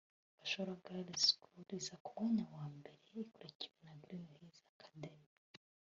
Gashora Girls School iza ku mwanya wa mbere ikurikiwe na Green Hills Academy